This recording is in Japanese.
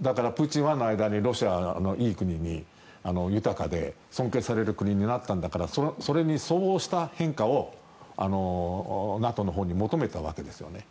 だから、プーチン１の間にロシアはいい国に豊かで尊敬される国になったんだからそれに相応した変化をＮＡＴＯのほうに求めたわけですよね。